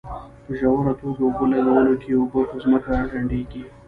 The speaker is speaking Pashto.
په ژوره توګه اوبه لګولو کې اوبه په ځمکه کې ډنډېږي.